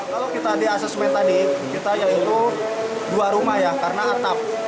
kalau kita di asesmen tadi kita yang itu dua rumah ya karena atap